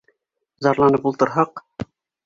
Зарланып ултырһаҡ...